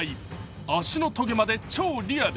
足のとげまで超リアル。